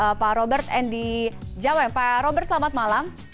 ada pak robert n di jawa yang pak robert selamat malam